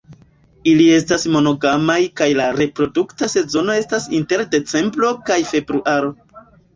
Ili estas monogamaj kaj la reprodukta sezono estas inter decembro kaj februaro.